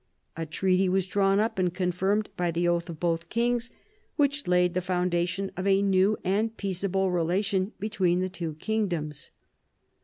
A treaty was drawn up and confirmed by the oath of both kings, which laid the foundation for a new and peaceable relation between the two kingdoms.